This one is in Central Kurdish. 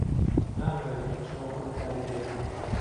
نامەوێت ئەم شەوە کۆتایی بێت.